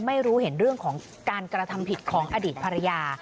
ไม่รู้เห็นเรื่องของการกระทำผิดของอดีตภรรยา